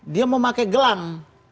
dia memakai gelang